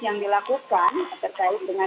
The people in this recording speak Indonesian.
yang dilakukan terkait dengan